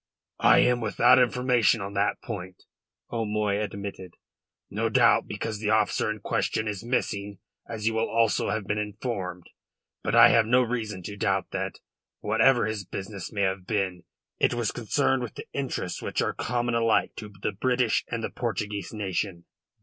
"I am without information on that point," O'Moy admitted; "no doubt because the officer in question is missing, as you will also have been informed. But I have no reason to doubt that, whatever his business may have been, it was concerned with the interests which are common alike to the British and the Portuguese nation."